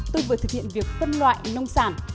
tôi vừa thực hiện việc phân loại nông sản